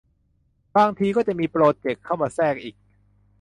บางทีก็จะมีโปรเจกต์เข้ามาแทรกอีก